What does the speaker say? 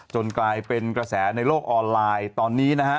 กลายเป็นกระแสในโลกออนไลน์ตอนนี้นะฮะ